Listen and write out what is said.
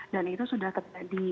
dan itu sudah terjadi